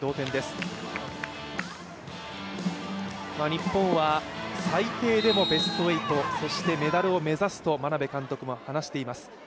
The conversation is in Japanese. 日本は最低でもベスト８、そしてメダルを目指すと眞鍋監督も話しています。